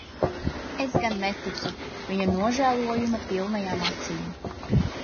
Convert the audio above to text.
Es gan neticu viņa nožējojuma pilnajām acīm.